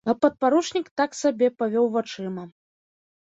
А падпаручнік, так сабе, павёў вачыма.